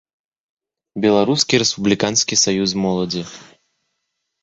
Беларускі рэспубліканскі саюз моладзі.